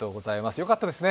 よかったですね。